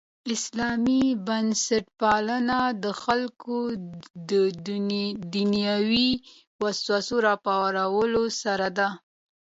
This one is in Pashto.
اسلامي بنسټپالنه د خلکو دنیوي وسوسو راپارولو سره ده.